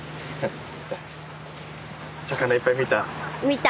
魚いっぱい見た？